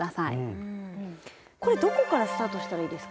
これどこからスタートしたらいいですか？